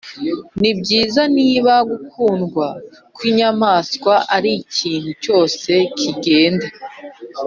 nibyiza, niba gukundwa kwinyamanswa arikintu cyose kigenda,